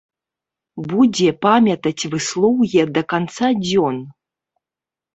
Будзе памятаць выслоўе да канца дзён.